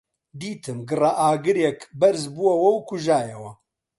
دیتم گڕەئاگرێک بەرز بۆوە و کوژایەوە